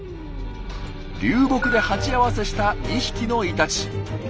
流木で鉢合わせした２匹のイタチ。